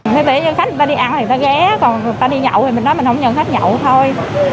thế nhưng khách người ta đi ăn thì người ta ghé còn người ta đi nhậu thì mình nói mình không nhận khách nhậu thôi